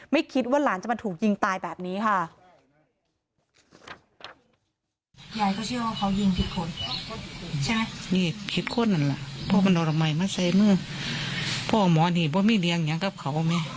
ไม่คิดว่าหลานจะมาถูกยิงตายแบบนี้ค่ะ